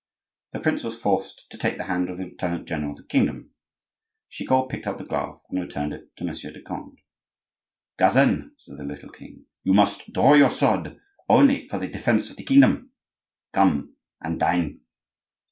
The prince was forced to take the hand of the lieutenant general of the kingdom. Chicot picked up the glove and returned it to Monsieur de Conde. "Cousin," said the little king, "you must draw your sword only for the defence of the kingdom. Come and dine."